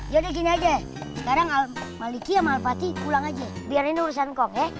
jadi gini aja sekarang al maliki sama al fatih pulang aja biar ini urusan kong ya